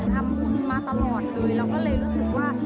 ทำบุญมาตลอดเลยเราก็เลยรู้สึกว่า